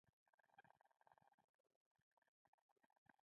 په دې حالت کې په غوږ کې د زنګ غږ اورېدل کېږي.